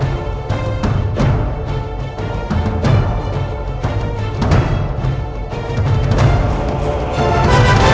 jika kau buat begini iring tanpa komen